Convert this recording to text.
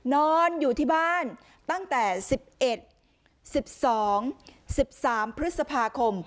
นอนอยู่ที่บ้านตั้งแต่สิบเอ็ดสิบสองสิบสามพฤษภาคม